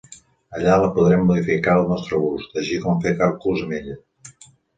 Allà la podrem modificar al nostre gust, així com fer càlculs amb ella.